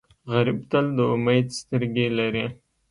غریب تل د امید سترګې لري